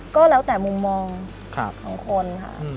ก็แล้วแต่มุมมองของคนค่ะ